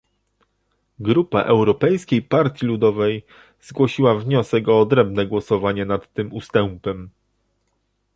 Grupa Europejskiej Partii Ludowej zgłosiła wniosek o odrębne głosowanie nad tym ustępem